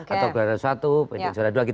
atau pdi juara satu pdi juara dua